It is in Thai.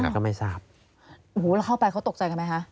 แล้วเข้าไปเขาตกใจไหมคะ